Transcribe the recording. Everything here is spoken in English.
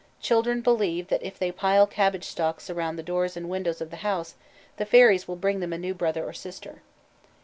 Children believe that if they pile cabbage stalks round the doors and windows of the house, the fairies will bring them a new brother or sister.